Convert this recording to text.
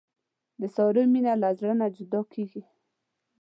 د سارې مینه له زړه نه جدا کېږي.